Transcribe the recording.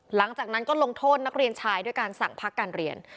หลังจากนั้นก็ลงโทษนักเรียนชายด้วยการสั่งพักการเรียน